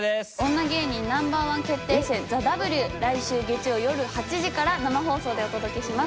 『女芸人Ｎｏ．１決定戦ＴＨＥＷ』来週月曜夜８時から生放送でお届けします。